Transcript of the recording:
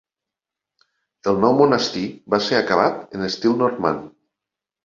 El nou monestir va ser acabat en estil normand.